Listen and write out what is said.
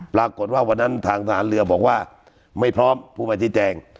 ปรากฏว่าวันนั้นทางทหารเรือบอกว่าไม่พร้อมผู้มาชี้แจง